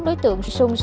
đối tượng sùng xeo vành